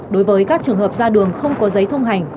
đối với các trường hợp ra đường không có giấy thông hành